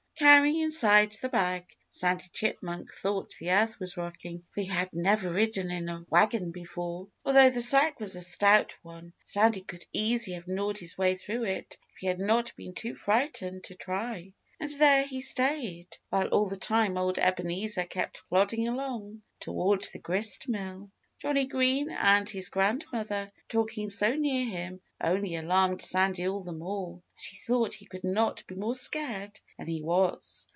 Cowering inside the bag, Sandy Chipmunk thought the earth was rocking, for he had never ridden in a wagon before. Although the sack was a stout one, Sandy could easily have gnawed his way through it if he had not been too frightened to try. And there he stayed, while all the time old Ebenezer kept plodding along toward the grist mill. Johnnie Green and his grandmother, talking so near him, only alarmed Sandy all the more. And he thought he could not be more scared than he was.